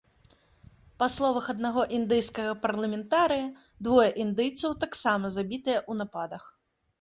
Па словах аднаго індыйскага парламентарыя, двое індыйцаў таксама забітыя ў нападах.